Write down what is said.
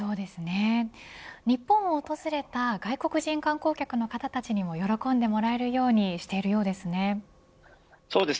日本を訪れた外国人観光客の方々にも喜んでもらえるようにしているようですね。